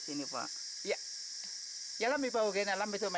sejumpialnya zaman patrick malas di kak riga